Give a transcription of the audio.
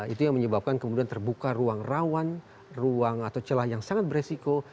itu yang menyebabkan kemudian terbuka ruang rawan ruang atau celah yang sangat beresiko